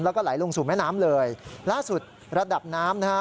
แล้วก็ไหลลงสู่แม่น้ำเลยล่าสุดระดับน้ำนะฮะ